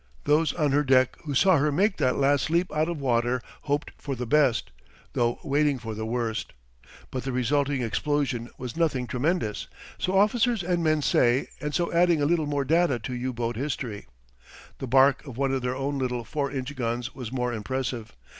Those on her deck who saw her make that last leap out of water hoped for the best, though waiting for the worst. But the resulting explosion was nothing tremendous so officers and men say, and so adding a little more data to U boat history. The bark of one of their own little 4 inch guns was more impressive.